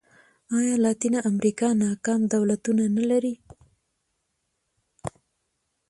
ایا لاتینه امریکا ناکام دولتونه نه لري.